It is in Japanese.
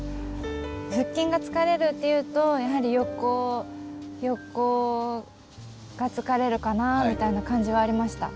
腹筋が疲れるっていうとやはり横が疲れるかなあみたいな感じはありました。